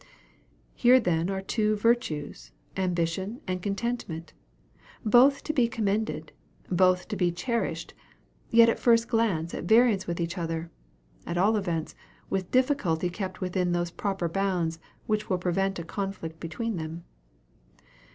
Here then are two virtues, ambition and contentment, both to be commended, both to be cherished, yet at first glance at variance with each other; at all events, with difficulty kept within those proper bounds which will prevent a conflict between them.